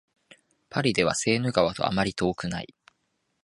パリではセーヌ川とあまり遠くない